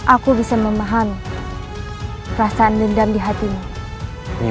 aku akan terus menemani mu